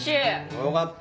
よかった。